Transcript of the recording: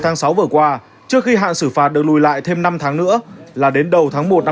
tháng sáu vừa qua trước khi hạn xử phạt được lùi lại thêm năm tháng nữa là đến đầu tháng một năm hai nghìn hai